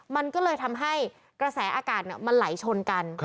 มันก็เลยทำให้กระแสอากาศมันไหลชนกัน